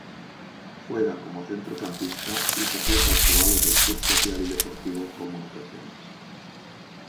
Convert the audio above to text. Juega como centrocampista y su club actual es el Club Social y Deportivo Comunicaciones.